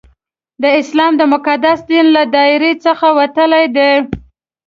د اسلام د مقدس دین له دایرې څخه وتل دي.